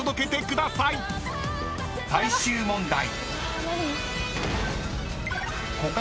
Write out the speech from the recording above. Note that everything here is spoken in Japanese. ［最終問題］